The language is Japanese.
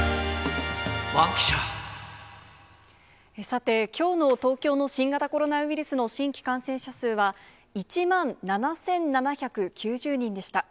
さて、きょうの東京の新型コロナウイルスの新規感染者数は、１万７７９０人でした。